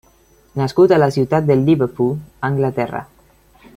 Nascut a la ciutat de Liverpool, Anglaterra.